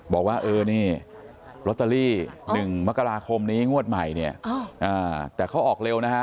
บอกว่าเออนี่ลอตเตอรี่๑มกราคมนี้งวดใหม่เนี่ยแต่เขาออกเร็วนะฮะ